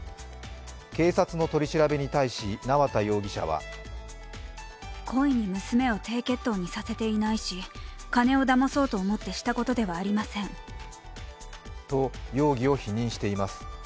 警察の取り調べに対し、縄田容疑者はと容疑を否認しています。